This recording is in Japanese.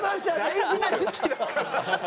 大事な時期だから。